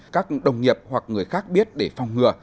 các đồng nghiệp hoặc người khác biết để phòng ngừa